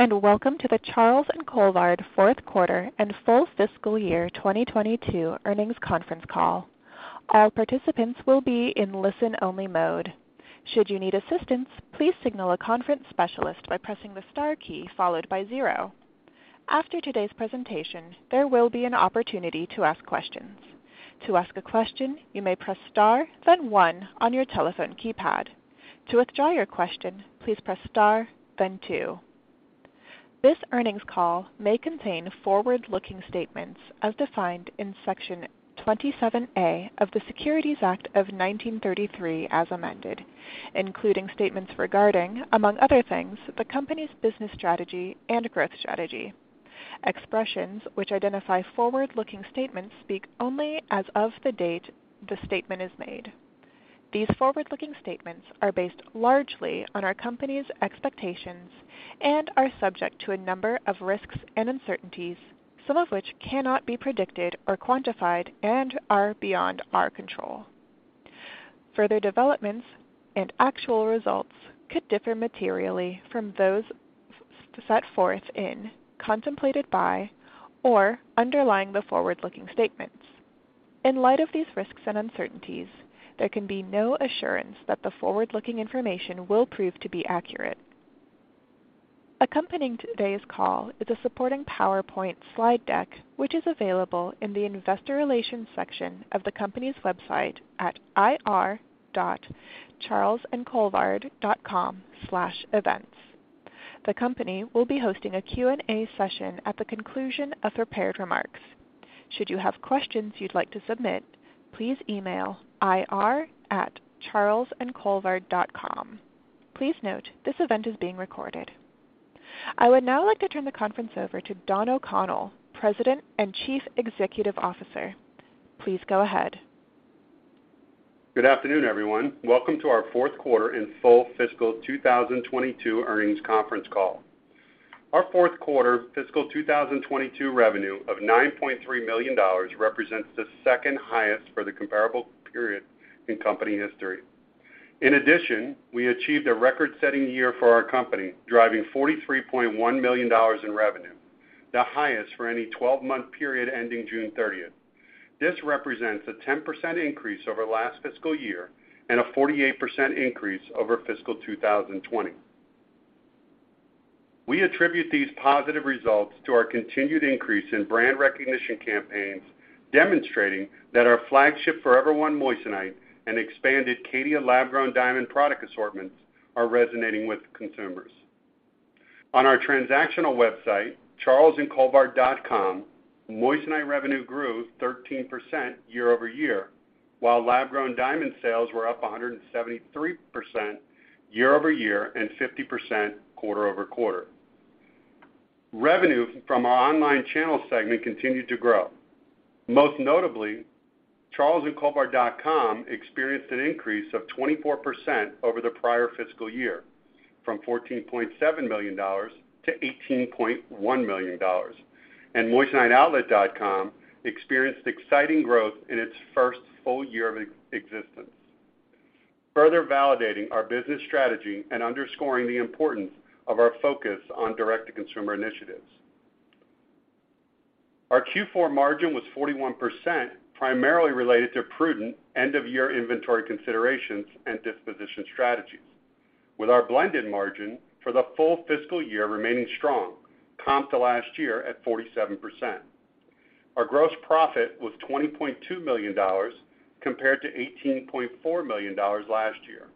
Hello, and welcome to the Charles & Colvard fourth quarter and full fiscal year 2022 earnings conference call. All participants will be in listen-only mode. Should you need assistance, please signal a conference specialist by pressing the star key followed by zero. After today's presentation, there will be an opportunity to ask questions. To ask a question, you may press star, then one on your telephone keypad. To withdraw your question, please press star then two. This earnings call may contain forward-looking statements as defined in Section 27A of the Securities Act of 1933 as amended, including statements regarding, among other things, the company's business strategy and growth strategy. Expressions which identify forward-looking statements speak only as of the date the statement is made. These forward-looking statements are based largely on our company's expectations and are subject to a number of risks and uncertainties, some of which cannot be predicted or quantified and are beyond our control. Further developments and actual results could differ materially from those set forth in, contemplated by, or underlying the forward-looking statements. In light of these risks and uncertainties, there can be no assurance that the forward-looking information will prove to be accurate. Accompanying today's call is a supporting PowerPoint slide deck, which is available in the Investor Relations section of the company's website at ir.charlesandcolvard.com/events. The company will be hosting a Q&A session at the conclusion of prepared remarks. Should you have questions you'd like to submit, please email ir@charlesandcolvard.com. Please note this event is being recorded. I would now like to turn the conference over to Don O'Connell, President and Chief Executive Officer. Please go ahead. Good afternoon, everyone. Welcome to our fourth quarter and full fiscal 2022 earnings conference call. Our fourth quarter fiscal 2022 revenue of $9.3 million represents the second highest for the comparable period in company history. In addition, we achieved a record-setting year for our company, driving $43.1 million in revenue, the highest for any twelve-month period ending June thirtieth. This represents a 10% increase over last fiscal year and a 48% increase over fiscal 2020. We attribute these positive results to our continued increase in brand recognition campaigns, demonstrating that our flagship Forever One moissanite and expanded Caydia lab-grown diamond product assortments are resonating with consumers. On our transactional website, charlesandcolvard.com, moissanite revenue grew 13% year-over-year, while lab-grown diamond sales were up 173% year-over-year and 50% quarter-over-quarter. Revenue from our online channel segment continued to grow. Most notably, charlesandcolvard.com experienced an increase of 24% over the prior fiscal year from $14.7 million to $18.1 million. moissaniteoutlet.com experienced exciting growth in its first full year of existence, further validating our business strategy and underscoring the importance of our focus on direct-to-consumer initiatives. Our Q4 margin was 41%, primarily related to prudent end-of-year inventory considerations and disposition strategies. With our blended margin for the full fiscal year remaining strong, comp to last year at 47%. Our gross profit was $20.2 million compared to $18.4 million last year.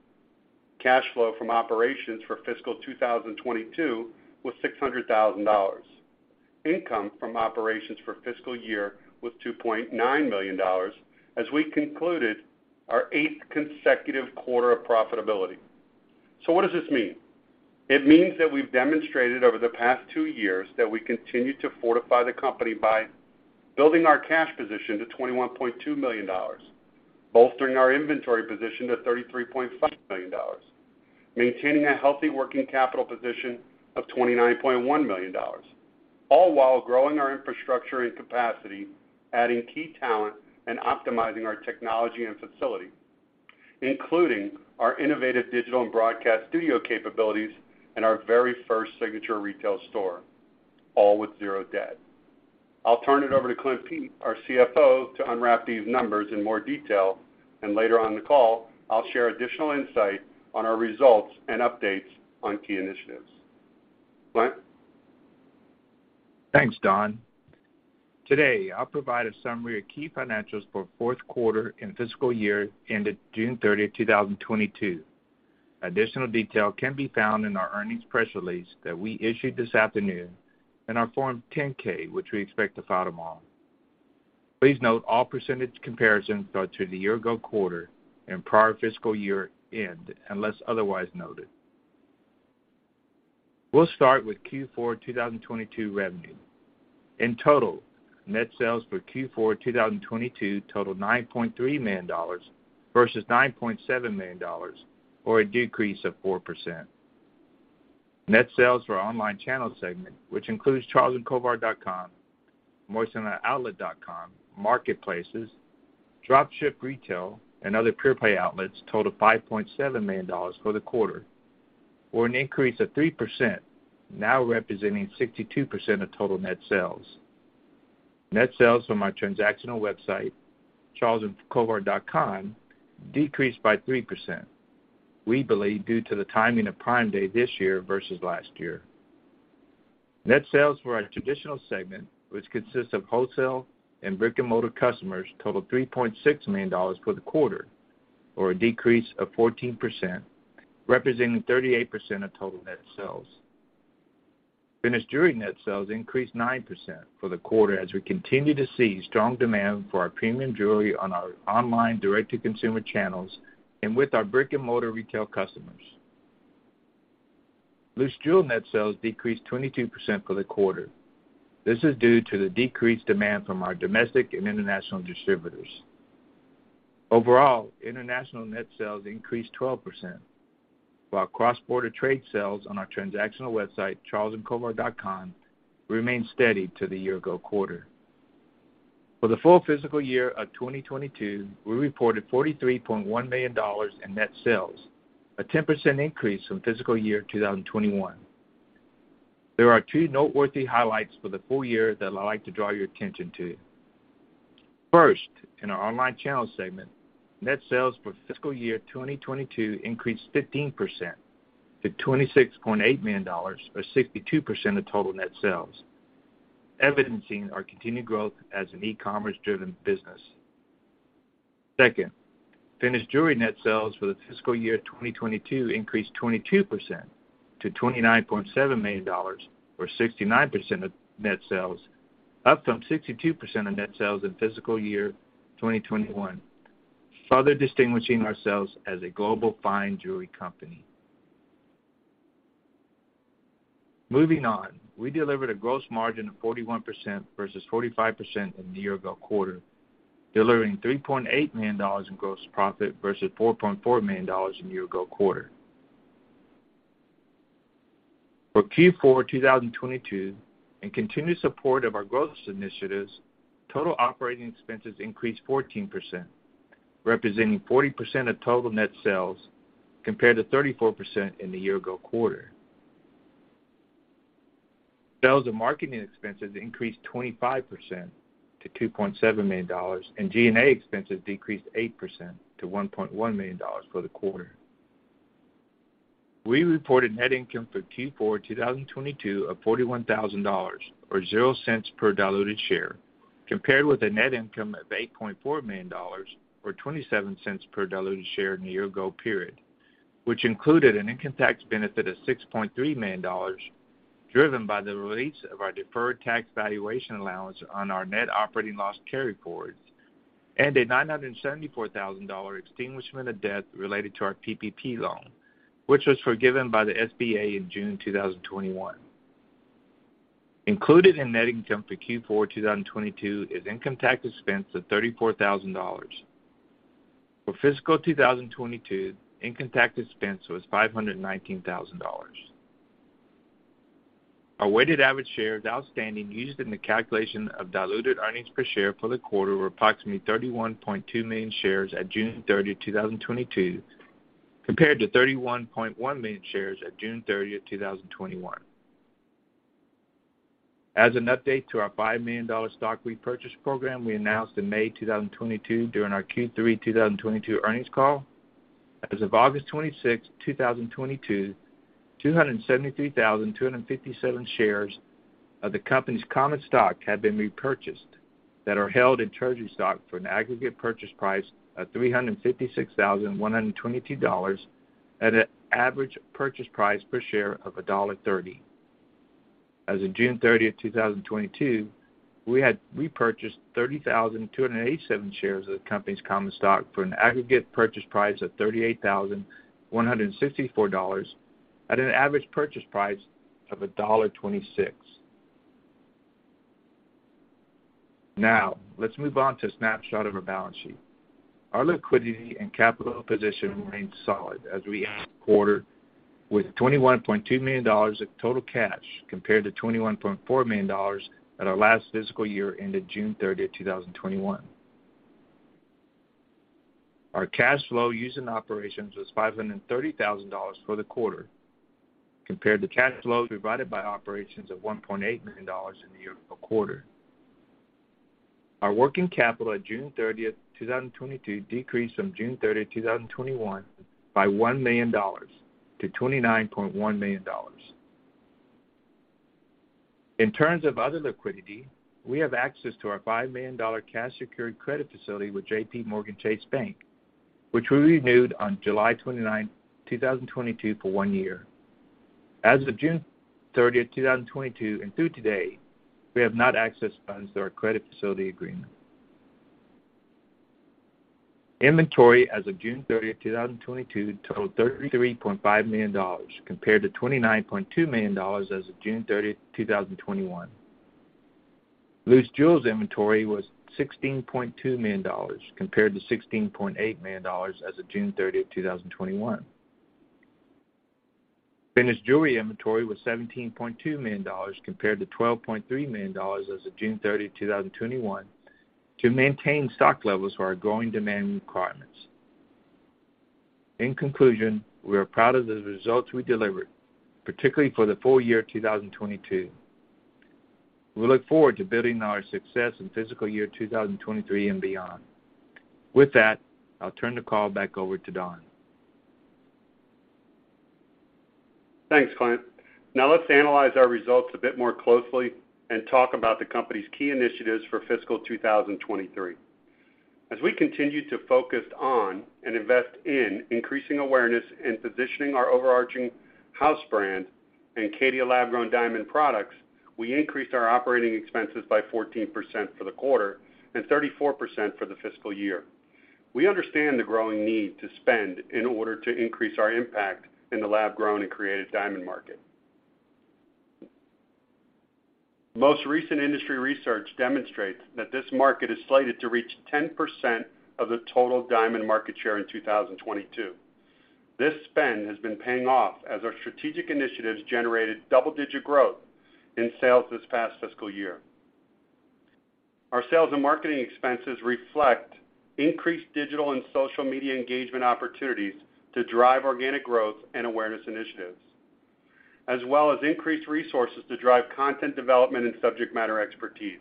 Cash flow from operations for fiscal 2022 was $600 thousand. Income from operations for fiscal year was $2.9 million as we concluded our eighth consecutive quarter of profitability. What does this mean? It means that we've demonstrated over the past two years that we continue to fortify the company by building our cash position to $21.2 million, bolstering our inventory position to $33.5 million, maintaining a healthy working capital position of $29.1 million, all while growing our infrastructure and capacity, adding key talent, and optimizing our technology and facility, including our innovative digital and broadcast studio capabilities and our very first signature retail store, all with zero debt. I'll turn it over to Clint J. Pete, our CFO, to unwrap these numbers in more detail, and later on in the call, I'll share additional insight on our results and updates on key initiatives. Clint? Thanks, Don. Today, I'll provide a summary of key financials for fourth quarter and fiscal year ended June 30, 2022. Additional detail can be found in our earnings press release that we issued this afternoon and our Form 10-K, which we expect to file tomorrow. Please note all percentage comparisons are to the year ago quarter and prior fiscal year end, unless otherwise noted. We'll start with Q4 2022 revenue. In total, net sales for Q4 2022 totaled $9.3 million versus $9.7 million, or a decrease of 4%. Net sales for our online channel segment, which includes charlesandcolvard.com-moissaniteoutlet.com marketplaces, drop ship retail, and other pure play outlets totaled $5.7 million for the quarter, or an increase of 3%, now representing 62% of total net sales. Net sales from our transactional website, charlesandcolvard.com, decreased by 3%, we believe due to the timing of Prime Day this year versus last year. Net sales for our traditional segment, which consists of wholesale and brick-and-mortar customers, totaled $3.6 million for the quarter, or a decrease of 14%, representing 38% of total net sales. Finished jewelry net sales increased 9% for the quarter as we continue to see strong demand for our premium jewelry on our online direct-to-consumer channels and with our brick-and-mortar retail customers. Loose jewel net sales decreased 22% for the quarter. This is due to the decreased demand from our domestic and international distributors. Overall, international net sales increased 12%, while cross-border trade sales on our transactional website, charlesandcolvard.com, remained steady to the year-ago quarter. For the full fiscal year of 2022, we reported $43.1 million in net sales, a 10% increase from fiscal year 2021. There are two noteworthy highlights for the full year that I'd like to draw your attention to. First, in our online channel segment, net sales for fiscal year 2022 increased 15% to $26.8 million, or 62% of total net sales, evidencing our continued growth as an e-commerce driven business. Second, finished jewelry net sales for the fiscal year 2022 increased 22% to $29.7 million or 69% of net sales, up from 62% of net sales in fiscal year 2021, further distinguishing ourselves as a global fine jewelry company. Moving on, we delivered a gross margin of 41% versus 45% in the year ago quarter, delivering $3.8 million in gross profit versus $4.4 million in year ago quarter. For Q4 2022, in continued support of our growth initiatives, total operating expenses increased 14%, representing 40% of total net sales compared to 34% in the year ago quarter. Sales and marketing expenses increased 25% to $2.7 million, and G&A expenses decreased 8% to $1.1 million for the quarter. We reported net income for Q4 2022 of $41,000 or $0.00 per diluted share, compared with a net income of $8.4 million or $0.27 per diluted share in the year ago period, which included an income tax benefit of $6.3 million, driven by the release of our deferred tax valuation allowance on our net operating loss carryforwards and a $974,000 extinguishment of debt related to our PPP loan, which was forgiven by the SBA in June 2021. Included in net income for Q4 2022 is income tax expense of $34,000. For fiscal 2022, income tax expense was $519,000. Our weighted average shares outstanding used in the calculation of diluted earnings per share for the quarter were approximately 31.2 million shares at June 30, 2022, compared to 31.1 million shares at June 30, 2021. As an update to our $5 million stock repurchase program we announced in May 2022 during our Q3 2022 earnings call, as of August 26, 2022, 273,257 shares of the company's common stock have been repurchased that are held in treasury stock for an aggregate purchase price of $356,122 at an average purchase price per share of $1.30. As of June 30, 2022, we had repurchased 30,287 shares of the company's common stock for an aggregate purchase price of $38,164 at an average purchase price of $1.26. Now, let's move on to a snapshot of our balance sheet. Our liquidity and capital position remains solid as we end the quarter with $21.2 million of total cash compared to $21.4 million at our last fiscal year ended June 30, 2021. Our cash flow used in operations was $530,000 for the quarter, compared to cash flow provided by operations of $1.8 million in the year-ago quarter. Our working capital at June 30, 2022, decreased from June 30, 2021 by $1 million to $29.1 million. In terms of other liquidity, we have access to our $5 million cash secured credit facility with JPMorgan Chase Bank, which we renewed on July 29, 2022 for one year. As of June 30, 2022 and through today, we have not accessed funds through our credit facility agreement. Inventory as of June 30, 2022 totaled $33.5 million, compared to $29.2 million as of June 30, 2021. Loose jewels inventory was $16.2 million, compared to $16.8 million as of June 30, 2021. Finished jewelry inventory was $17.2 million compared to $12.3 million as of June 30, 2021 to maintain stock levels for our growing demand requirements. In conclusion, we are proud of the results we delivered, particularly for the full year 2022. We look forward to building our success in fiscal year 2023 and beyond. With that, I'll turn the call back over to Don. Thanks, Clint. Now let's analyze our results a bit more closely and talk about the company's key initiatives for fiscal 2023. As we continue to focus on and invest in increasing awareness and positioning our overarching house brand and Caydia lab-grown diamond products, we increased our operating expenses by 14% for the quarter and 34% for the fiscal year. We understand the growing need to spend in order to increase our impact in the lab-grown and created diamond market. Most recent industry research demonstrates that this market is slated to reach 10% of the total diamond market share in 2022. This spend has been paying off as our strategic initiatives generated double-digit growth in sales this past fiscal year. Our sales and marketing expenses reflect increased digital and social media engagement opportunities to drive organic growth and awareness initiatives, as well as increased resources to drive content development and subject matter expertise.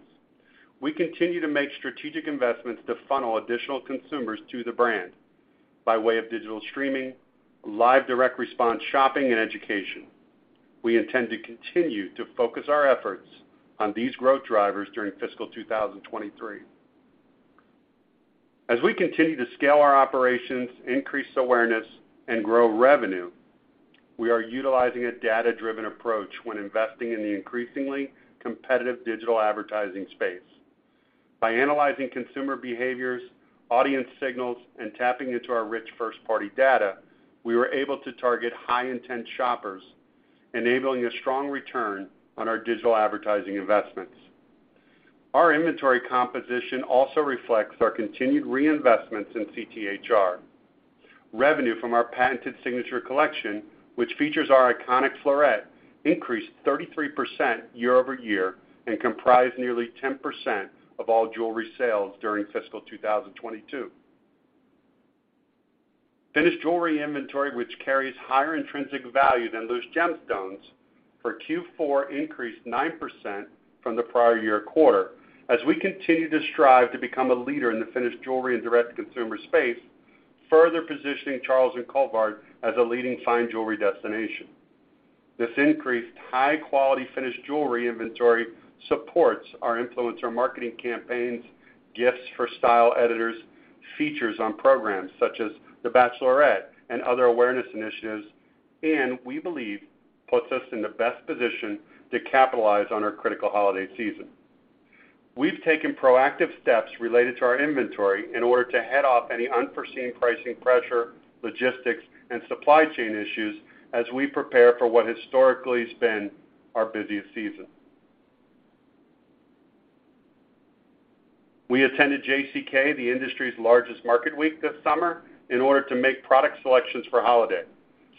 We continue to make strategic investments to funnel additional consumers to the brand by way of digital streaming, live direct response shopping, and education. We intend to continue to focus our efforts on these growth drivers during fiscal 2023. As we continue to scale our operations, increase awareness, and grow revenue, we are utilizing a data-driven approach when investing in the increasingly competitive digital advertising space. By analyzing consumer behaviors, audience signals, and tapping into our rich first-party data, we were able to target high-intent shoppers, enabling a strong return on our digital advertising investments. Our inventory composition also reflects our continued reinvestments in CTHR. Revenue from our patented Signature Collection, which features our iconic Floret, increased 33% year-over-year and comprised nearly 10% of all jewelry sales during fiscal 2022. Finished jewelry inventory, which carries higher intrinsic value than loose gemstones, for Q4 increased 9% from the prior year quarter as we continue to strive to become a leader in the finished jewelry and direct-to-consumer space, further positioning Charles & Colvard as a leading fine jewelry destination. This increased high-quality finished jewelry inventory supports our influencer marketing campaigns, gifts for style editors, features on programs such as The Bachelorette and other awareness initiatives, and we believe puts us in the best position to capitalize on our critical holiday season. We've taken proactive steps related to our inventory in order to head off any unforeseen pricing pressure, logistics, and supply chain issues as we prepare for what historically has been our busiest season. We attended JCK, the industry's largest market week, this summer in order to make product selections for holiday.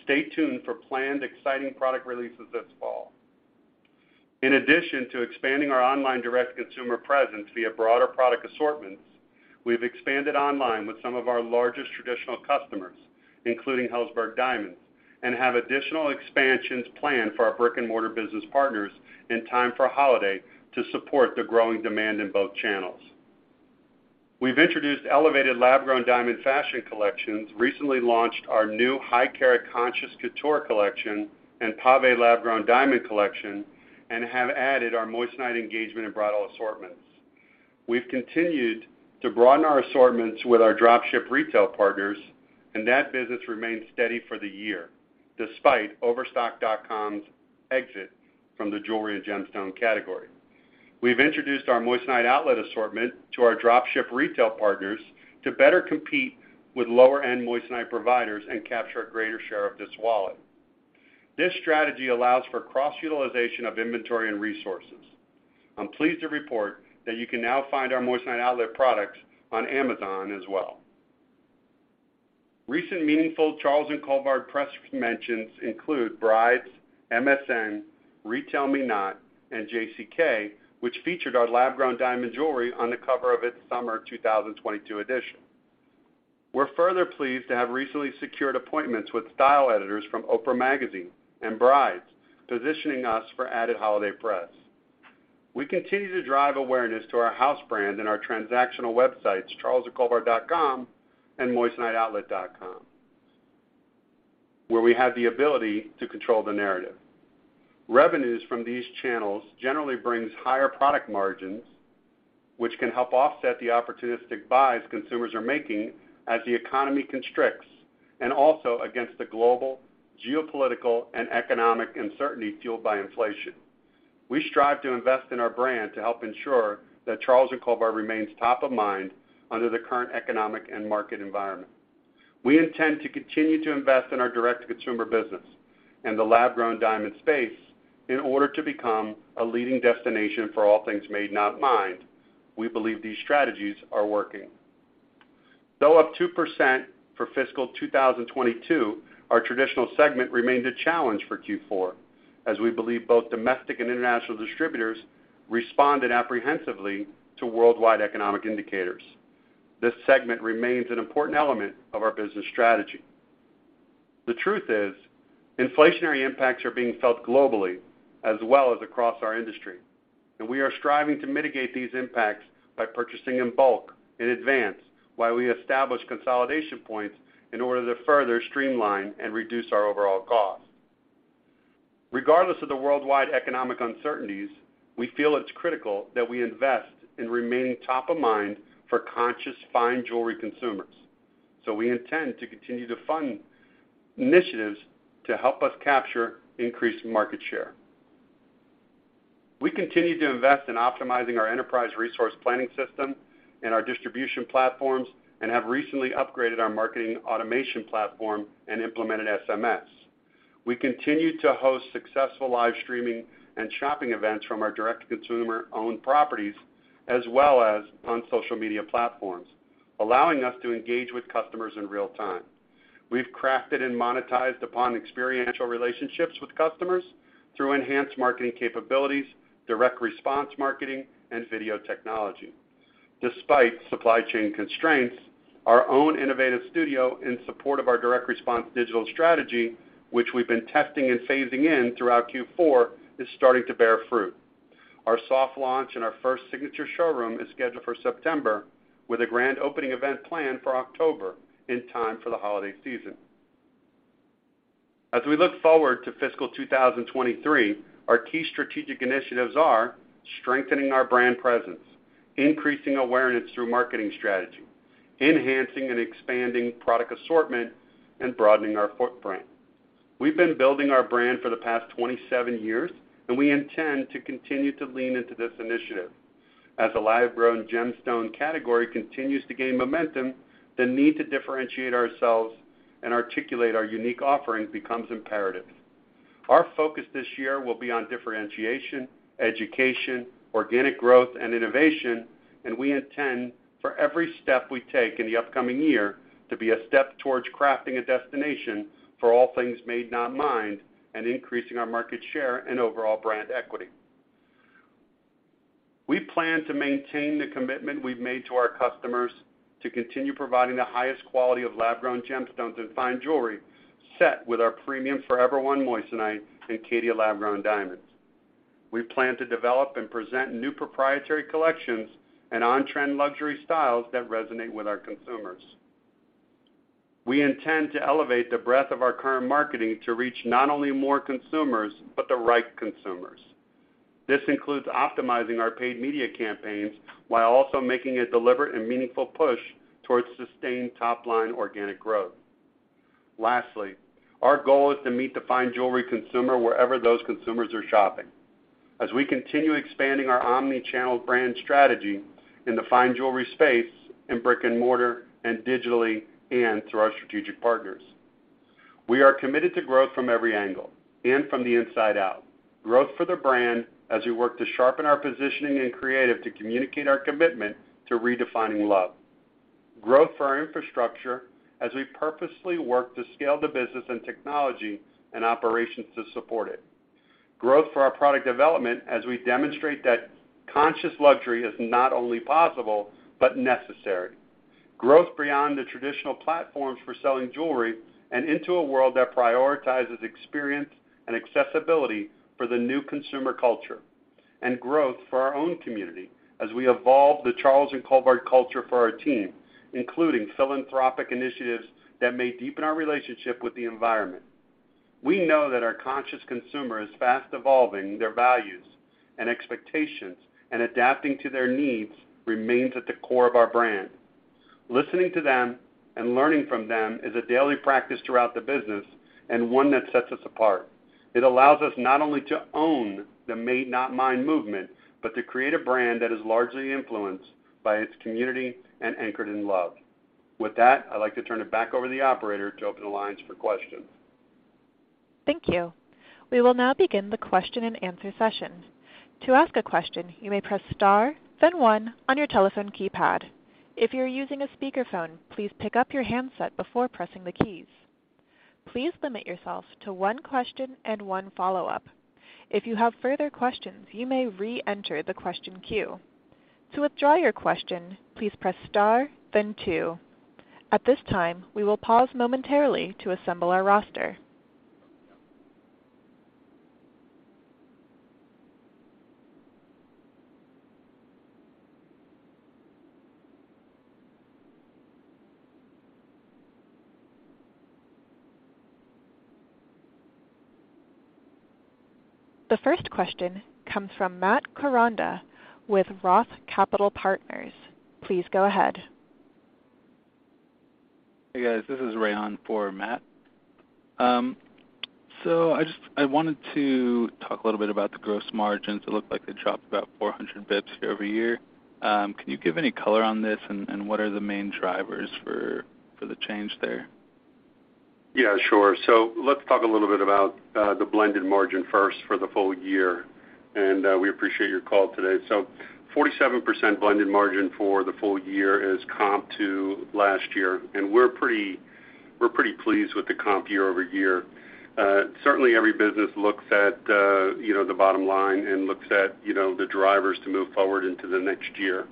Stay tuned for planned exciting product releases this fall. In addition to expanding our online direct-to-consumer presence via broader product assortments, we've expanded online with some of our largest traditional customers, including Helzberg Diamonds, and have additional expansions planned for our brick-and-mortar business partners in time for holiday to support the growing demand in both channels. We've introduced elevated lab-grown diamond fashion collections, recently launched our new high-carat conscious couture collection and pavé lab-grown diamond collection, and have added our moissanite engagement and bridal assortments. We've continued to broaden our assortments with our drop-ship retail partners, and that business remains steady for the year, despite Overstock.com's exit from the jewelry and gemstone category. We've introduced our moissanite outlet assortment to our drop-ship retail partners to better compete with lower-end moissanite providers and capture a greater share of this wallet. This strategy allows for cross-utilization of inventory and resources. I'm pleased to report that you can now find our moissanite outlet products on Amazon as well. Recent meaningful Charles & Colvard press mentions include Brides, MSN, RetailMeNot, and JCK, which featured our lab-grown diamond jewelry on the cover of its summer 2022 edition. We're further pleased to have recently secured appointments with style editors from Oprah Magazine and Brides, positioning us for added holiday press. We continue to drive awareness to our house brand and our transactional websites, charlesandcolvard.com and moissaniteoutlet.com, where we have the ability to control the narrative. Revenues from these channels generally bring higher product margins, which can help offset the opportunistic buys consumers are making as the economy constricts and also against the global geopolitical and economic uncertainty fueled by inflation. We strive to invest in our brand to help ensure that Charles & Colvard remains top of mind under the current economic and market environment. We intend to continue to invest in our direct consumer business and the lab-grown diamond space in order to become a leading destination for all things Made, not Mined. We believe these strategies are working. Though up 2% for fiscal 2022, our traditional segment remained a challenge for Q4, as we believe both domestic and international distributors responded apprehensively to worldwide economic indicators. This segment remains an important element of our business strategy. The truth is, inflationary impacts are being felt globally as well as across our industry, and we are striving to mitigate these impacts by purchasing in bulk in advance while we establish consolidation points in order to further streamline and reduce our overall cost. Regardless of the worldwide economic uncertainties, we feel it's critical that we invest in remaining top of mind for conscious fine jewelry consumers. We intend to continue to fund initiatives to help us capture increased market share. We continue to invest in optimizing our Enterprise Resource Planning system and our distribution platforms and have recently upgraded our marketing automation platform and implemented SMS. We continue to host successful live streaming and shopping events from our direct-to-consumer owned properties as well as on social media platforms, allowing us to engage with customers in real time. We've crafted and monetized upon experiential relationships with customers through enhanced marketing capabilities, direct response marketing, and video technology. Despite supply chain constraints, our own innovative studio in support of our direct response digital strategy, which we've been testing and phasing in throughout Q4, is starting to bear fruit. Our soft launch and our first signature showroom is scheduled for September, with a grand opening event planned for October in time for the holiday season. As we look forward to fiscal 2023, our key strategic initiatives are strengthening our brand presence, increasing awareness through marketing strategy, enhancing and expanding product assortment, and broadening our footprint. We've been building our brand for the past 27 years, and we intend to continue to lean into this initiative. As the lab-grown gemstone category continues to gain momentum, the need to differentiate ourselves and articulate our unique offering becomes imperative. Our focus this year will be on differentiation, education, organic growth, and innovation, and we intend for every step we take in the upcoming year to be a step towards crafting a destination for all things Made, not Mined, and increasing our market share and overall brand equity. We plan to maintain the commitment we've made to our customers to continue providing the highest quality of lab-grown gemstones and fine jewelry set with our premium Forever One moissanite and Caydia lab-grown diamonds. We plan to develop and present new proprietary collections and on-trend luxury styles that resonate with our consumers. We intend to elevate the breadth of our current marketing to reach not only more consumers, but the right consumers. This includes optimizing our paid media campaigns while also making a deliberate and meaningful push towards sustained top-line organic growth. Lastly, our goal is to meet the fine jewelry consumer wherever those consumers are shopping as we continue expanding our omni-channel brand strategy in the fine jewelry space, in brick-and-mortar and digitally and through our strategic partners. We are committed to growth from every angle and from the inside out. Growth for the brand as we work to sharpen our positioning and creative to communicate our commitment to redefining love. Growth for our infrastructure as we purposely work to scale the business and technology and operations to support it. Growth for our product development as we demonstrate that conscious luxury is not only possible but necessary. Growth beyond the traditional platforms for selling jewelry and into a world that prioritizes experience and accessibility for the new consumer culture. Growth for our own community as we evolve the Charles & Colvard culture for our team, including philanthropic initiatives that may deepen our relationship with the environment. We know that our conscious consumer is fast evolving their values and expectations, and adapting to their needs remains at the core of our brand. Listening to them and learning from them is a daily practice throughout the business and one that sets us apart. It allows us not only to own the Made, not Mined movement, but to create a brand that is largely influenced by its community and anchored in love. With that, I'd like to turn it back over to the operator to open the lines for questions. Thank you. We will now begin the question-and-answer session. To ask a question, you may press star then one on your telephone keypad. If you're using a speakerphone, please pick up your handset before pressing the keys. Please limit yourself to one question and one follow-up. If you have further questions, you may reenter the question queue. To withdraw your question, please press star then two. At this time, we will pause momentarily to assemble our roster. The first question comes from Matt Koranda with Roth Capital Partners. Please go ahead. Hey, guys. This is Ryan for Matt. I wanted to talk a little bit about the gross margins. It looked like they dropped about 400 basis points year-over-year. Can you give any color on this, and what are the main drivers for the change there? Yeah, sure. Let's talk a little bit about the blended margin first for the full year, and we appreciate your call today. 47% blended margin for the full year is comp to last year, and we're pretty pleased with the comp year over year. Certainly, every business looks at you know, the bottom line and looks at you know, the drivers to move forward into the next year.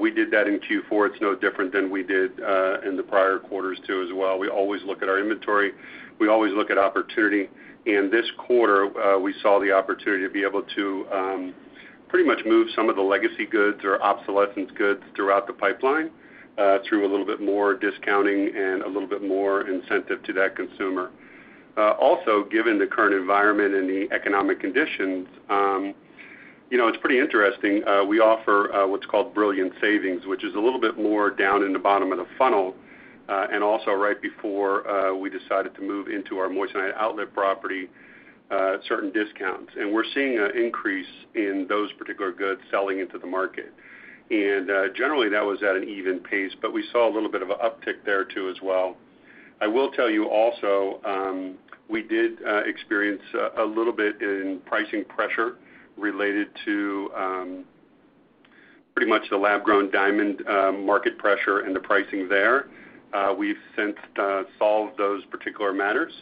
We did that in Q4. It's no different than we did in the prior quarters too as well. We always look at our inventory. We always look at opportunity. This quarter, we saw the opportunity to be able to pretty much move some of the legacy goods or obsolescence goods throughout the pipeline through a little bit more discounting and a little bit more incentive to that consumer. Also, given the current environment and the economic conditions, you know, it's pretty interesting. We offer what's called Brilliant Savings, which is a little bit more down in the bottom of the funnel, and also right before we decided to move into our moissanite outlet property, certain discounts. We're seeing an increase in those particular goods selling into the market. Generally, that was at an even pace, but we saw a little bit of an uptick there too as well. I will tell you also, we did experience a little bit in pricing pressure related to pretty much the lab-grown diamond market pressure and the pricing there. We've since solved those particular matters.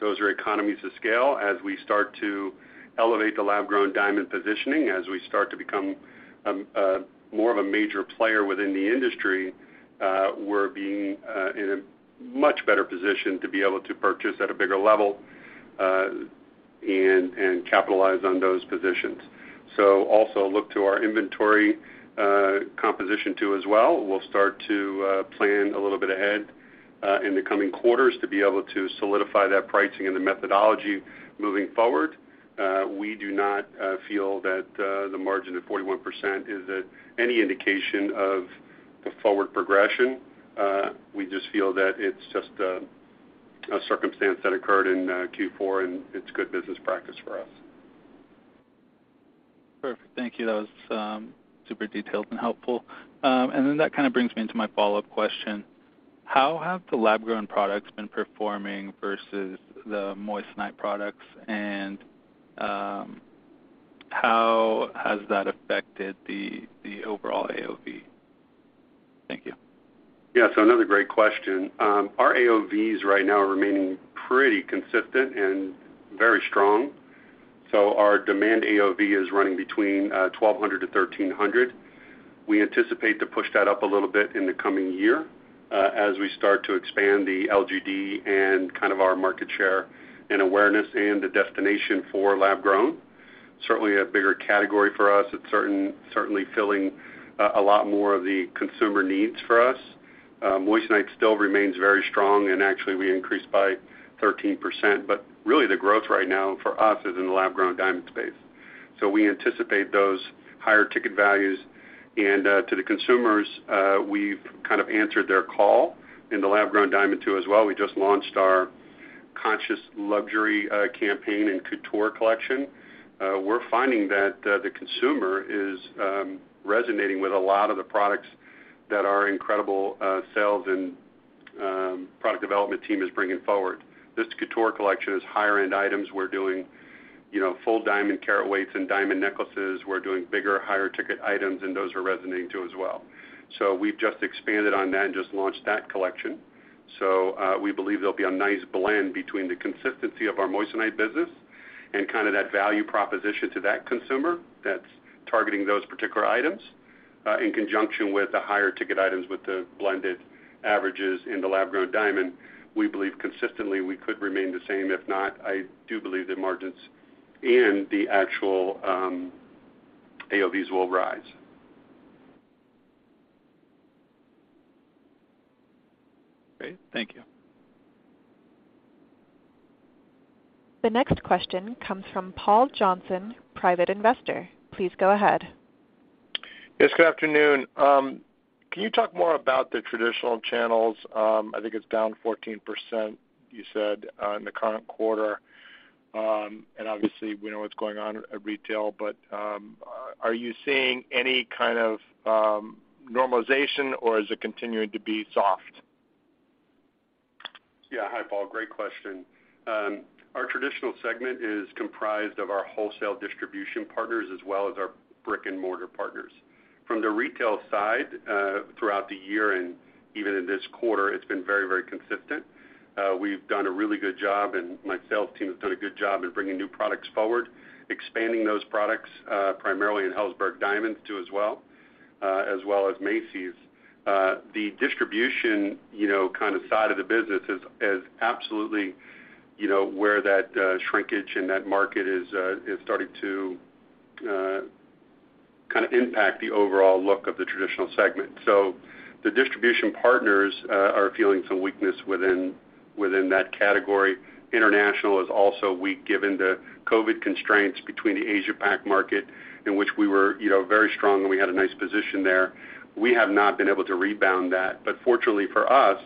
Those are economies of scale. As we start to elevate the lab-grown diamond positioning, as we start to become more of a major player within the industry, we're being in a much better position to be able to purchase at a bigger level, and capitalize on those positions. Also look to our inventory composition too as well. We'll start to plan a little bit ahead in the coming quarters to be able to solidify that pricing and the methodology moving forward. We do not feel that the margin of 41% is at any indication of the forward progression. We just feel that it's just a circumstance that occurred in Q4, and it's good business practice for us. Perfect. Thank you. That was super detailed and helpful. That kinda brings me into my follow-up question. How have the lab-grown products been performing versus the moissanite products, and how has that affected the overall AOV? Thank you. Yeah. Another great question. Our AOVs right now are remaining pretty consistent and very strong. Our demand AOV is running between $1,200-$1,300. We anticipate to push that up a little bit in the coming year as we start to expand the LGD and kind of our market share and awareness and the destination for lab-grown. Certainly a bigger category for us. It's certainly filling a lot more of the consumer needs for us. Moissanite still remains very strong, and actually, we increased by 13%. Really the growth right now for us is in the lab-grown diamond space. We anticipate those higher ticket values. To the consumers, we've kind of answered their call in the lab-grown diamond too as well. We just launched our Conscious Luxury campaign and Couture Collection. We're finding that the consumer is resonating with a lot of the products that our incredible sales and product development team is bringing forward. This Couture Collection is higher-end items. We're doing, you know, full diamond carat weights and diamond necklaces. We're doing bigger, higher ticket items, and those are resonating too as well. We've just expanded on that and just launched that collection. We believe there'll be a nice blend between the consistency of our moissanite business and kinda that value proposition to that consumer that's targeting those particular items in conjunction with the higher ticket items with the blended averages in the lab-grown diamond. We believe consistently we could remain the same. If not, I do believe the margins and the actual AOVs will rise. Great. Thank you. The next question comes from Paul Johnson, Private Investor. Please go ahead. Yes, good afternoon. Can you talk more about the traditional channels? I think it's down 14%, you said, in the current quarter. Obviously, we know what's going on at retail, but are you seeing any kind of normalization, or is it continuing to be soft? Yeah. Hi, Paul. Great question. Our traditional segment is comprised of our wholesale distribution partners as well as our brick-and-mortar partners. From the retail side, throughout the year and even in this quarter, it's been very, very consistent. We've done a really good job, and my sales team has done a good job in bringing new products forward, expanding those products, primarily in Helzberg Diamonds too as well, as well as Macy's. The distribution, you know, kinda side of the business is absolutely, you know, where that shrinkage in that market is starting to kinda impact the overall look of the traditional segment. The distribution partners are feeling some weakness within that category. International is also weak, given the COVID constraints between the Asia Pac market in which we were, you know, very strong, and we had a nice position there. We have not been able to rebound that. Fortunately for us,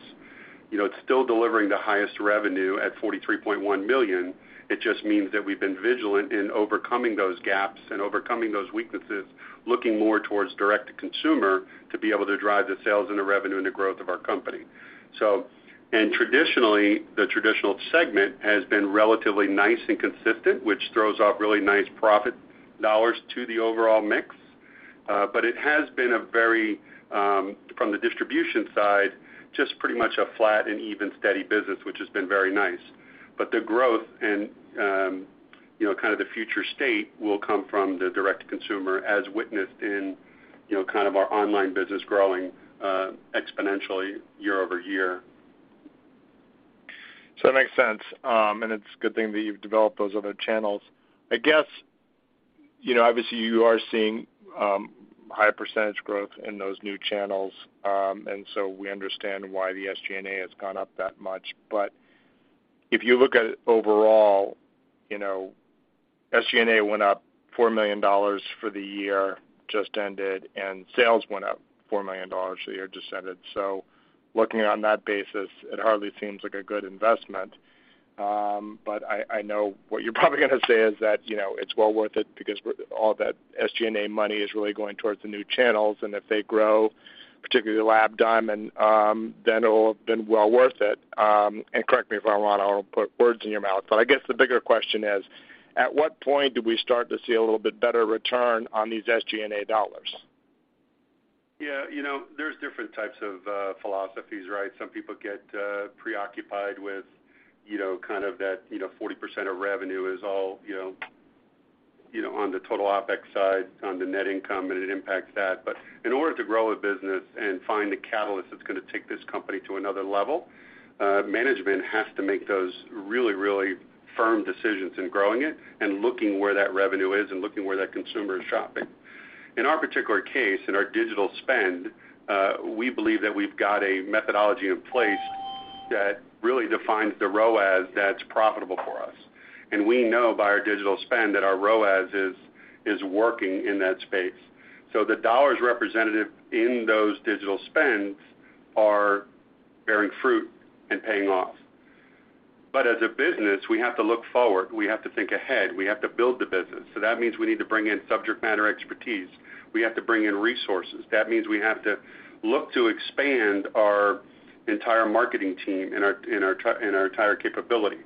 you know, it's still delivering the highest revenue at $43.1 million. It just means that we've been vigilant in overcoming those gaps and overcoming those weaknesses, looking more towards direct-to-consumer to be able to drive the sales and the revenue and the growth of our company. Traditionally, the traditional segment has been relatively nice and consistent, which throws off really nice profit dollars to the overall mix. But it has been a very from the distribution side, just pretty much a flat and even steady business, which has been very nice. The growth and, you know, kind of the future state will come from the direct-to-consumer as witnessed in, you know, kind of our online business growing exponentially year-over-year. That makes sense. It's a good thing that you've developed those other channels. I guess, you know, obviously, you are seeing high percentage growth in those new channels, we understand why the SG&A has gone up that much. If you look at it overall, you know, SG&A went up $4 million for the year just ended, and sales went up $4 million the year just ended. Looking on that basis, it hardly seems like a good investment. I know what you're probably gonna say is that, you know, it's well worth it because all that SG&A money is really going towards the new channels, and if they grow, particularly lab diamond, then it'll have been well worth it. Correct me if I'm wrong, I don't want to put words in your mouth, but I guess the bigger question is, at what point do we start to see a little bit better return on these SG&A dollars? Yeah, you know, there's different types of philosophies, right? Some people get preoccupied with, you know, kind of that 40% of revenue is all on the total OpEx side, on the net income, and it impacts that. In order to grow a business and find the catalyst that's gonna take this company to another level, management has to make those really, really firm decisions in growing it and looking where that revenue is and looking where that consumer is shopping. In our particular case, in our digital spend, we believe that we've got a methodology in place that really defines the ROAS that's profitable for us. We know by our digital spend that our ROAS is working in that space. The dollars represented in those digital spends are bearing fruit and paying off. As a business, we have to look forward, we have to think ahead, we have to build the business. That means we need to bring in subject matter expertise. We have to bring in resources. That means we have to look to expand our entire marketing team and our entire capability.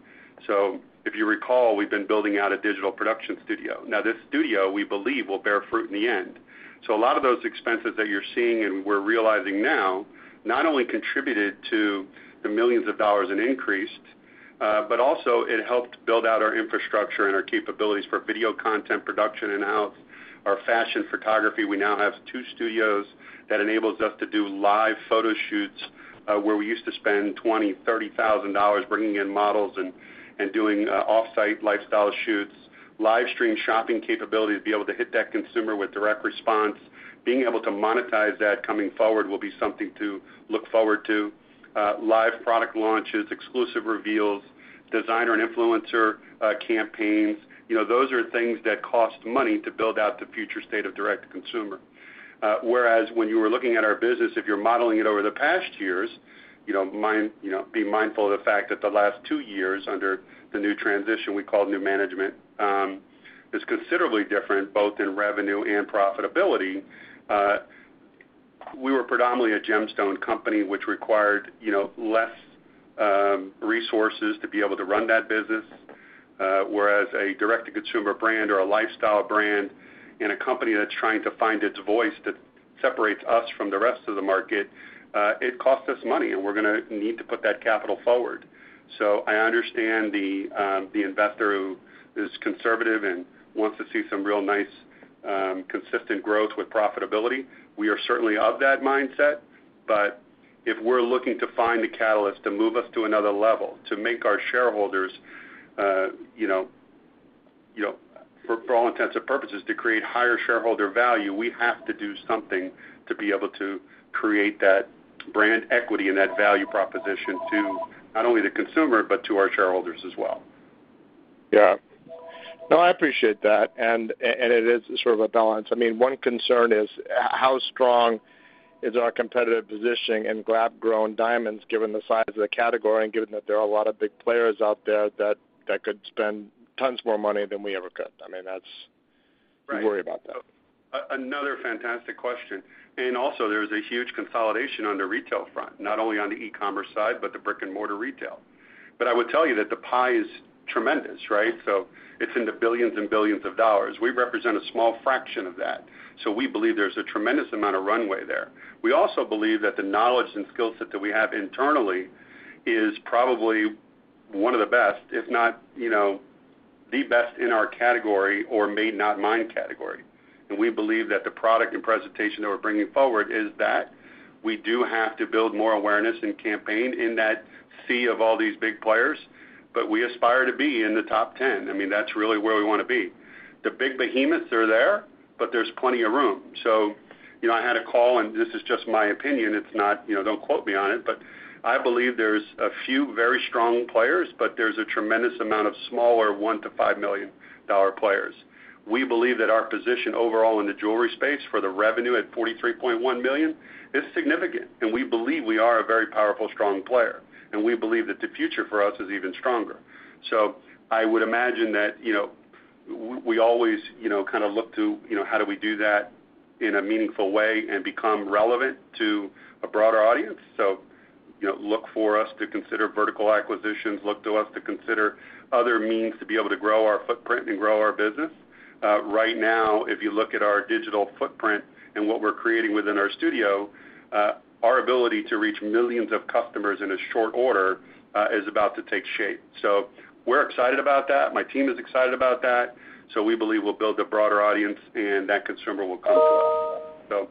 If you recall, we've been building out a digital production studio. Now this studio, we believe, will bear fruit in the end. A lot of those expenses that you're seeing and we're realizing now not only contributed to $ millions in increase, but also it helped build out our infrastructure and our capabilities for video content production in-house, our fashion photography. We now have two studios that enables us to do live photo shoots, where we used to spend $20,000-$30,000 bringing in models and doing off-site lifestyle shoots. Live stream shopping capabilities to be able to hit that consumer with direct response, being able to monetize that coming forward will be something to look forward to. Live product launches, exclusive reveals, designer and influencer campaigns, those are things that cost money to build out the future state of direct-to-consumer. Whereas when you were looking at our business, if you're modeling it over the past years, be mindful of the fact that the last two years under the new transition we call new management is considerably different, both in revenue and profitability. We were predominantly a gemstone company, which required, you know, less resources to be able to run that business. Whereas a direct-to-consumer brand or a lifestyle brand in a company that's trying to find its voice that separates us from the rest of the market, it costs us money, and we're gonna need to put that capital forward. I understand the investor who is conservative and wants to see some real nice consistent growth with profitability. We are certainly of that mindset. If we're looking to find the catalyst to move us to another level, to make our shareholders, you know, for all intents and purposes, to create higher shareholder value, we have to do something to be able to create that brand equity and that value proposition to not only the consumer, but to our shareholders as well. Yeah. No, I appreciate that. It is sort of a balance. I mean, one concern is how strong is our competitive positioning in lab-grown diamonds, given the size of the category and given that there are a lot of big players out there that could spend tons more money than we ever could? Right. We worry about that. Another fantastic question. Also, there's a huge consolidation on the retail front, not only on the e-commerce side, but the brick-and-mortar retail. I would tell you that the pie is tremendous, right? It's in the billions and billions of dollars. We represent a small fraction of that. We believe there's a tremendous amount of runway there. We also believe that the knowledge and skill set that we have internally is probably one of the best, if not, you know, the best in our category or Made, not Mined category. We believe that the product and presentation that we're bringing forward is that. We do have to build more awareness and campaign in that sea of all these big players, but we aspire to be in the top ten. I mean, that's really where we wanna be. The big behemoths are there, but there's plenty of room. You know, I had a call, and this is just my opinion, it's not, you know, don't quote me on it, but I believe there's a few very strong players, but there's a tremendous amount of smaller $1-$5 million players. We believe that our position overall in the jewelry space for the revenue at $43.1 million is significant, and we believe we are a very powerful, strong player, and we believe that the future for us is even stronger. I would imagine that, you know, we always, you know, kinda look to, you know, how do we do that in a meaningful way and become relevant to a broader audience. You know, look for us to consider vertical acquisitions, look to us to consider other means to be able to grow our footprint and grow our business. Right now, if you look at our digital footprint and what we're creating within our studio, our ability to reach millions of customers in a short order is about to take shape. We're excited about that. My team is excited about that. We believe we'll build a broader audience, and that consumer will come to us.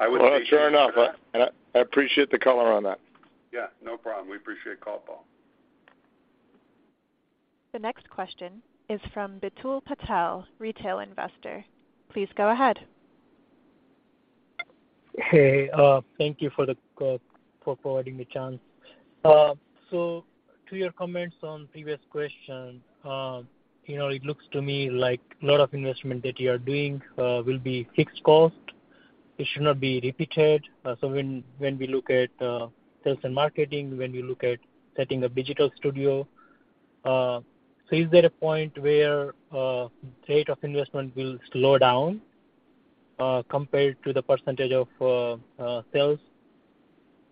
I would appreciate. Well, sure enough. I appreciate the color on that. Yeah, no problem. We appreciate the call, Paul. The next question is from Bitul Patel, Retail Investor. Please go ahead. Hey, thank you for providing the chance. To your comments on previous question, you know, it looks to me like a lot of investment that you are doing will be fixed cost. It should not be repeated. When we look at sales and marketing, when we look at setting a digital studio, is there a point where rate of investment will slow down compared to the percentage of sales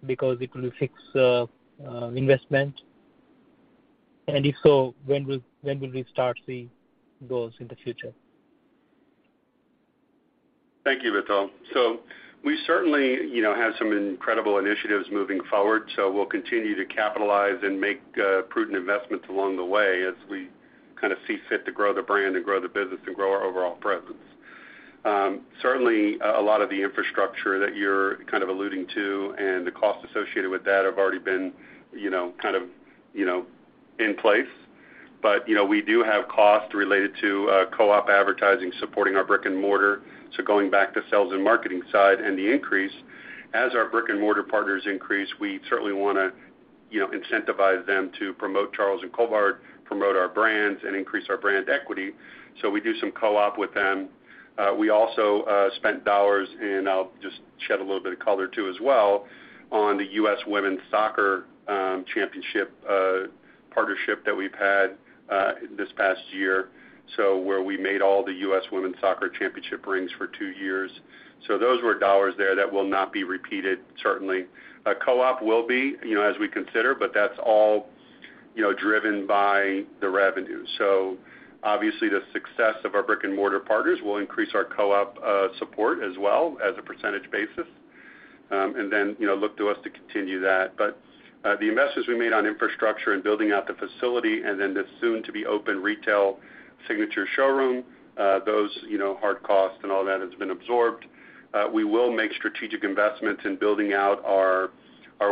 because it will fix investment? If so, when will we start seeing those in the future? Thank you, Bitul. We certainly, you know, have some incredible initiatives moving forward. We'll continue to capitalize and make prudent investments along the way as we kinda see fit to grow the brand and grow the business and grow our overall presence. Certainly, a lot of the infrastructure that you're kind of alluding to and the cost associated with that have already been, you know, kind of, you know, in place. We do have costs related to co-op advertising supporting our brick-and-mortar. Going back to sales and marketing side and the increase, as our brick-and-mortar partners increase, we certainly wanna, you know, incentivize them to promote Charles & Colvard, promote our brands, and increase our brand equity, so we do some co-op with them. We also spent dollars, and I'll just shed a little bit of color, too, as well, on the U.S. Women's Soccer championship partnership that we've had this past year, so where we made all the U.S. Women's Soccer championship rings for two years. Those were dollars there that will not be repeated, certainly. A co-op will be, you know, as we consider, but that's all, you know, driven by the revenue. Obviously, the success of our brick-and-mortar partners will increase our co-op support as well as a percentage basis, and then, you know, look to us to continue that. The investments we made on infrastructure and building out the facility and then the soon-to-be-open retail Signature showroom, those, you know, hard costs and all that has been absorbed. We will make strategic investments in building out our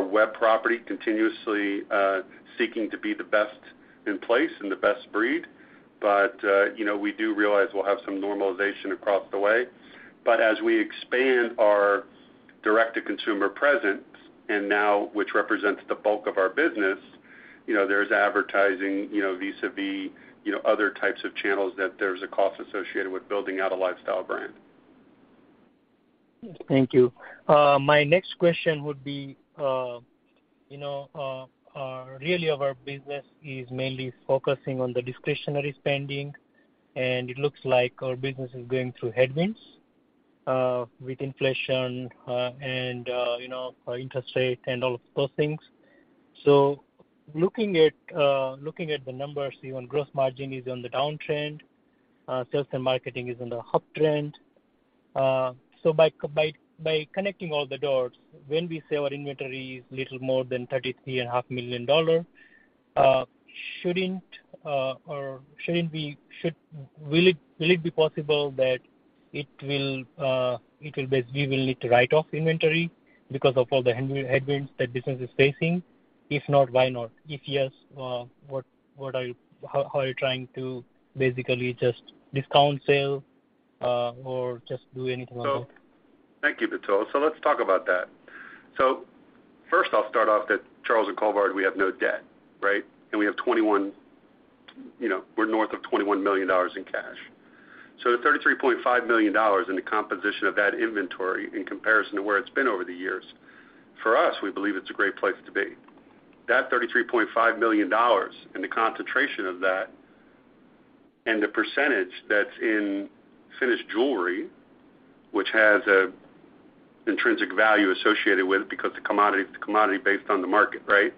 web property continuously, seeking to be the best-in-class and the best-in-breed. You know, we do realize we'll have some normalization across the way. As we expand our direct-to-consumer presence, and now which represents the bulk of our business, you know, there's advertising, you know, vis-à-vis, you know, other types of channels that there's a cost associated with building out a lifestyle brand. Thank you. My next question would be, you know, really our business is mainly focusing on the discretionary spending, and it looks like our business is going through headwinds with inflation, and you know, interest rate and all of those things. Looking at the numbers, even gross margin is on the downtrend, sales and marketing is on the uptrend. By connecting all the dots, when we say our inventory is a little more than $33.5 million, will it be possible that we will need to write off inventory because of all the headwinds that business is facing? If not, why not? If yes, how are you trying to basically just discount sale or just do anything about that? Thank you, Bitul. Let's talk about that. First, I'll start off that Charles & Colvard we have no debt, right? And we have 21, you know, we're north of $21 million in cash. The $33.5 million in the composition of that inventory in comparison to where it's been over the years, for us, we believe it's a great place to be. That $33.5 million and the concentration of that and the percentage that's in finished jewelry, which has a intrinsic value associated with it because the commodity is a commodity based on the market, right?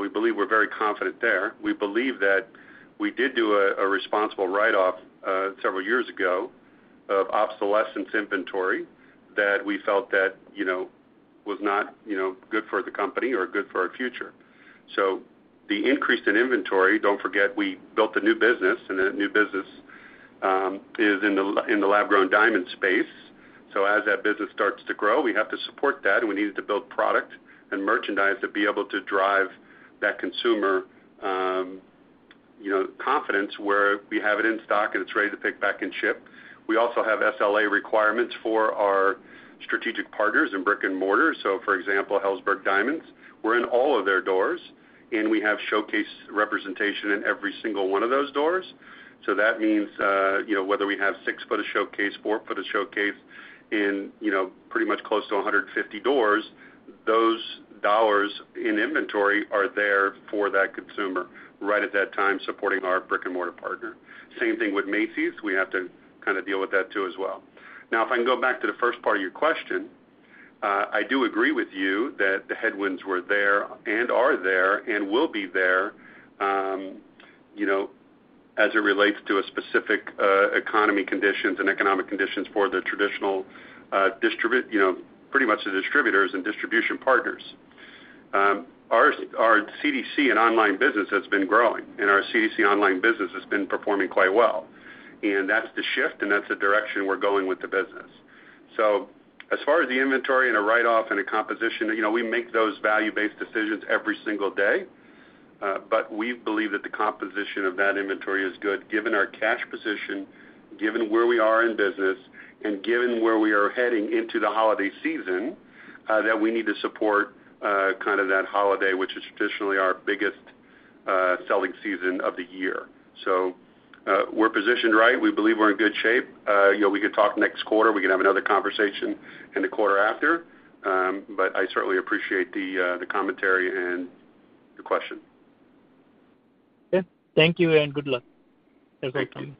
We believe we're very confident there. We believe that we did do a responsible write-off several years ago of obsolescence inventory that we felt that, you know, was not, you know, good for the company or good for our future. The increase in inventory, don't forget we built a new business, and the new business is in the lab-grown diamond space. As that business starts to grow, we have to support that, and we needed to build product and merchandise to be able to drive that consumer, you know, confidence where we have it in stock and it's ready to pick, pack, and ship. We also have SLA requirements for our strategic partners in brick-and-mortar. For example, Helzberg Diamonds, we're in all of their doors. We have showcase representation in every single one of those doors. That means, you know, whether we have six-foot a showcase, four-foot a showcase in, you know, pretty much close to 150 doors, those dollars in inventory are there for that consumer right at that time supporting our brick-and-mortar partner. Same thing with Macy's, we have to kinda deal with that too as well. Now, if I can go back to the first part of your question, I do agree with you that the headwinds were there and are there and will be there, you know, as it relates to a specific economy conditions and economic conditions for the traditional, you know, pretty much the distributors and distribution partners. Our D2C and online business has been growing, and our D2C online business has been performing quite well. That's the shift, and that's the direction we're going with the business. As far as the inventory and a write-off and a composition, you know, we make those value-based decisions every single day. We believe that the composition of that inventory is good given our cash position, given where we are in business, and given where we are heading into the holiday season, that we need to support kinda that holiday, which is traditionally our biggest selling season of the year. We're positioned right. We believe we're in good shape. You know, we could talk next quarter, we can have another conversation in the quarter after. I certainly appreciate the commentary and the question. Okay. Thank you and good luck. Thank you.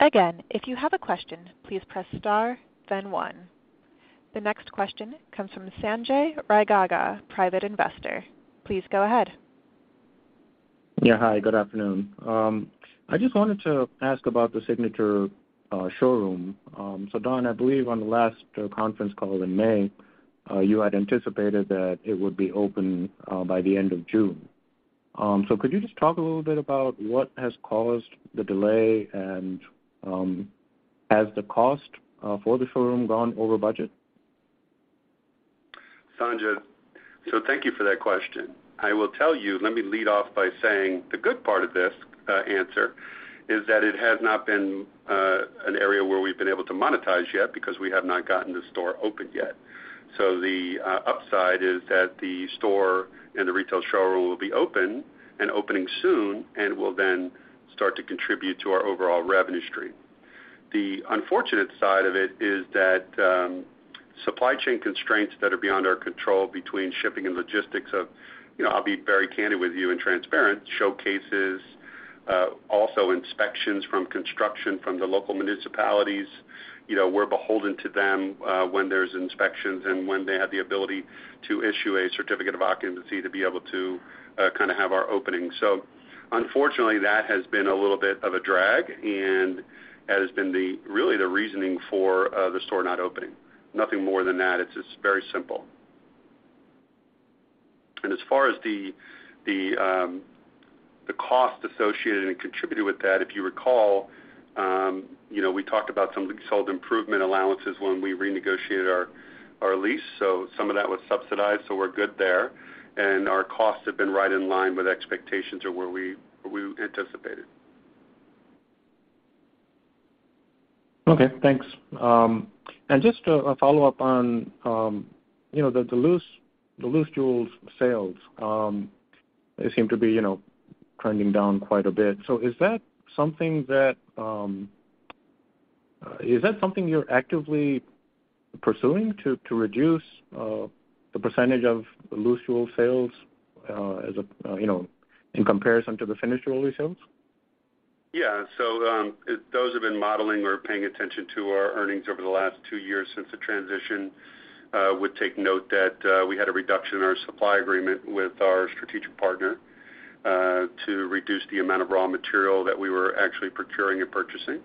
Again, if you have a question, please press star then one. The next question comes from Sanjay Raigaga, Private Investor. Please go ahead. Yeah, hi, good afternoon. I just wanted to ask about the Signature showroom. Don, I believe on the last conference call in May, you had anticipated that it would be open by the end of June. Could you just talk a little bit about what has caused the delay and has the cost for the showroom gone over budget? Sanjay, thank you for that question. I will tell you, let me lead off by saying the good part of this, answer is that it has not been, an area where we've been able to monetize yet because we have not gotten the store open yet. The upside is that the store and the retail showroom will be open and opening soon and will then start to contribute to our overall revenue stream. The unfortunate side of it is that, supply chain constraints that are beyond our control between shipping and logistics of, you know, I'll be very candid with you and transparent, showcases, also inspections from construction from the local municipalities. You know, we're beholden to them, when there's inspections and when they have the ability to issue a certificate of occupancy to be able to, kinda have our opening. Unfortunately, that has been a little bit of a drag and has been the real reasoning for the store not opening. Nothing more than that. It's just very simple. As far as the cost associated and contributed with that, if you recall, you know, we talked about some sold improvement allowances when we renegotiated our lease, so some of that was subsidized, so we're good there. Our costs have been right in line with expectations or where we anticipated. Okay, thanks. Just a follow-up on, you know, the loose jewels sales, they seem to be, you know, trending down quite a bit. Is that something you're actively pursuing to reduce the percentage of loose jewel sales as a, you know, in comparison to the finished jewelry sales? Those who have been modeling or paying attention to our earnings over the last two years since the transition would take note that we had a reduction in our supply agreement with our strategic partner to reduce the amount of raw material that we were actually procuring and purchasing,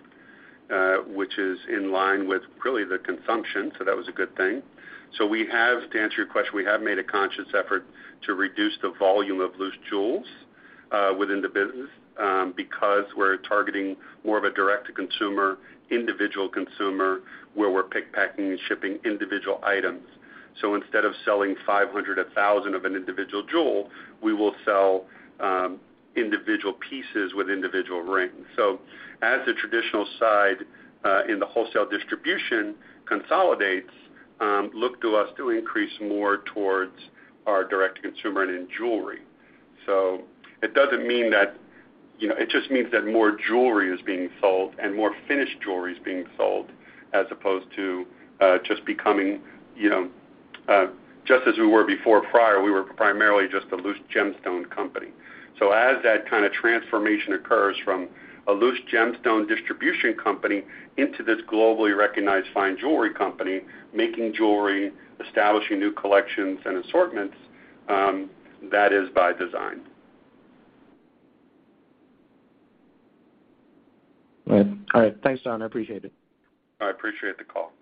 which is in line with really the consumption. We have, to answer your question, we have made a conscious effort to reduce the volume of loose jewels within the business because we're targeting more of a direct-to-consumer, individual consumer where we're pick and pack and shipping individual items. Instead of selling 500, 1,000 of an individual jewel, we will sell individual pieces with individual rings. As the traditional side in the wholesale distribution consolidates, look to us to increase more towards our direct-to-consumer and in jewelry. It doesn't mean that, you know, it just means that more jewelry is being sold and more finished jewelry is being sold as opposed to just becoming, you know, as we were before prior, we were primarily just a loose gemstone company. As that kind of transformation occurs from a loose gemstone distribution company into this globally recognized fine jewelry company, making jewelry, establishing new collections and assortments, that is by design. All right. All right. Thanks, Don. I appreciate it. I appreciate the call.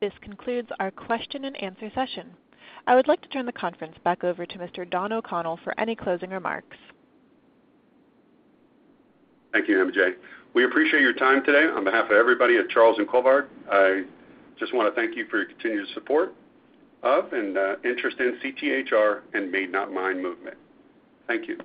This concludes our question and answer session. I would like to turn the conference back over to Mr. Don O'Connell for any closing remarks. Thank you, MJ. We appreciate your time today. On behalf of everybody at Charles & Colvard, I just wanna thank you for your continued support of and interest in CTHR and Made, not Mined movement. Thank you.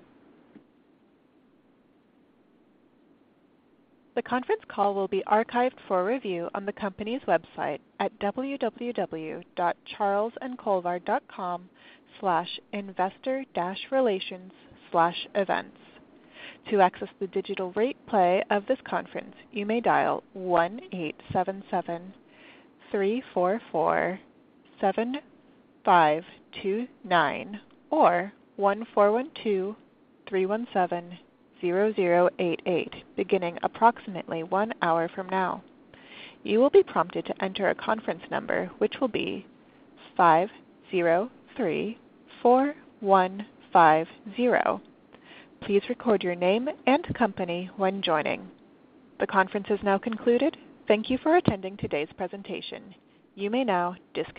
The conference call will be archived for review on the company's website at www.charlesandcolvard.com/investor-relations/events. To access the digital replay of this conference, you may dial one-eight, seven, seven-three, four, four-seven, five, two, nine or one-four, one, two-three, one seven-zero, zero ,eight, eight, beginning approximately one hour from now. You will be prompted to enter a conference number, which will be five, zero, three-four, one, five, zero. Please record your name and company when joining. The conference is now concluded. Thank you for attending today's presentation. You may now disconnect.